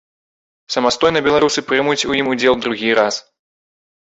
Самастойна беларусы прымуць у ім удзел другі раз.